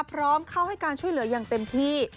พร้อมเข้าให้การช่วยเหลืออย่างเต็มที่